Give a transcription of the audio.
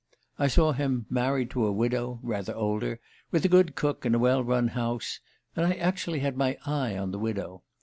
I saw him married to a widow, rather older, with a good cook and a well run house. And I actually had my eye on the widow